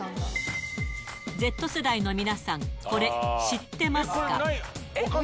Ｚ世代の皆さん、これ、知ってますか？